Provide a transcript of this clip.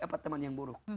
atau teman yang buruk